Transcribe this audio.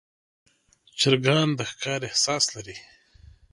چرګان د ښکار احساس لري.